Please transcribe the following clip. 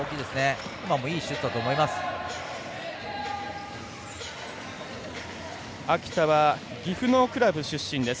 今もいいシュートだと思います。